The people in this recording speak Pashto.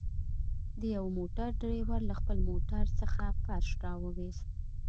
د يوه موټر ډريور له خپل موټر څخه فرش راوويست.